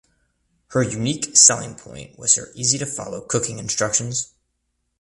Her unique selling point was her easy to follow cooking instructions.